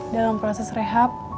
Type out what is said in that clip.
dalam proses rehab